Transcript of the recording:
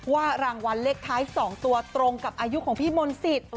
รางวัลเลขท้าย๒ตัวตรงกับอายุของพี่มนต์สิทธิ์